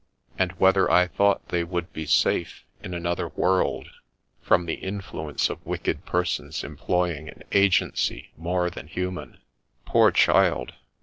And whether I thought they would be safe, in another world, from the influence of wicked persons employing an agency more than human ?" Poor child